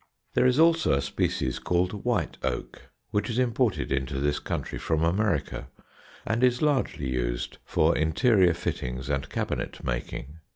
There is also a species called white oak, which is imported into this country from America, and is largely used for interior fittings and cabinet making.